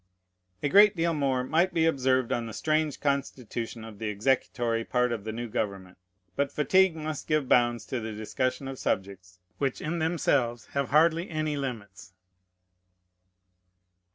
A great deal more might be observed on the strange constitution of the executory part of the new government; but fatigue must give bounds to the discussion of subjects which in themselves have hardly any limits.